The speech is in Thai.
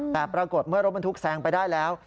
แต่ปรากฏเมื่อรถบรรทุกแซงไปได้แล้ว